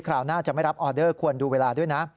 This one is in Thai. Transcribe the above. ราวหน้าจะไม่รับออเดอร์ควรดูเวลาด้วยนะ